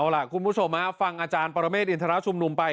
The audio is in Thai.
ล่ะคุณผู้ชมฟังอาจารย์ปรเมฆอินทรชุมนุมไป